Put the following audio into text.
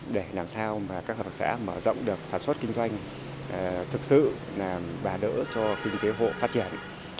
để làm sao mà các hợp tác xã mở rộng được sản xuất kinh doanh thực sự là bà đỡ cho kinh tế hộ phát triển